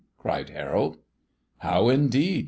cried Harold. "How indeed!"